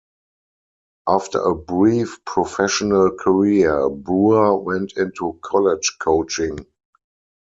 After a brief professional career, Brewer went into college coaching.